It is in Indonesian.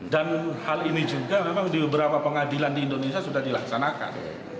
dan hal ini juga memang di beberapa pengadilan di indonesia sudah dilaksanakan